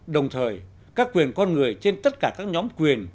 đồng thời các quyền con người trên tất cả các nhóm quyền